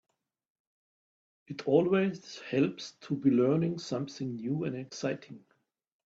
It always helps to be learning something new and exciting.